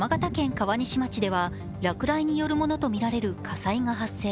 川西町では落雷によるものとみられる火災が発生。